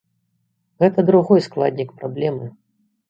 Гэта другой складнік праблемы.